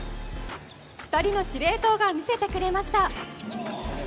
２人の司令塔が見せてくれました。